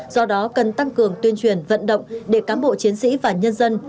do đó cần tăng cường tuyên truyền vận động để cám bộ chiến sĩ và nhân dân